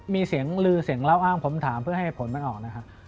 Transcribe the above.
มีเสียงลือเสียงเล่าอ้างผมถามเพื่อให้ผลมันออกนะครับ